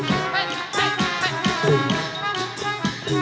โอ้โหโอ้โหโอ้โหโอ้โหโอ้โห